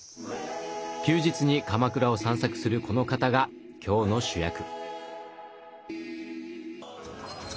休日に鎌倉を散策するこの方が今日の主役。